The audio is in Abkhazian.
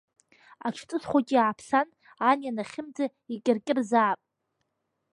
Аҽҵыс хәыҷ иааԥсан, ан ианахьымӡа, икьыркьырзаап.